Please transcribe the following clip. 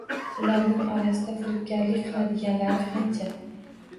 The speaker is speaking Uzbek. Ularning orasida firibgarlik qiladiganlari qancha.